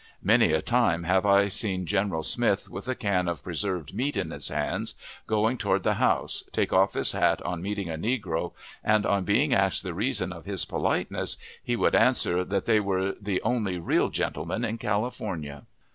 Many a time have I seen General Smith, with a can of preserved meat in his hands, going toward the house, take off his hat on meeting a negro, and, on being asked the reason of his politeness, he would answer that they were the only real gentlemen in California.